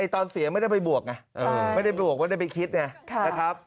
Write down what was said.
ตอนเสียไม่ได้ไปบวกไงไม่ได้บวกไม่ได้ไปคิดไงนะครับ